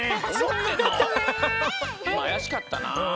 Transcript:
いまあやしかったなあ。